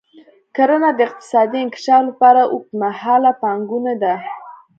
کرنه د اقتصادي انکشاف لپاره اوږدمهاله پانګونه ده.